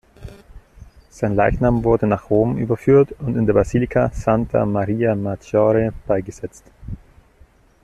Sein Leichnam wurde nach Rom überführt und in der Basilika "Santa Maria Maggiore" beigesetzt.